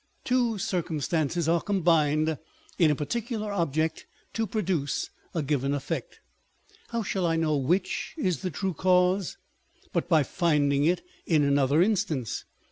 Two circumstances are combined in a particular object to produce a given effect : how shall I know which is the true cause, but by finding it in another instance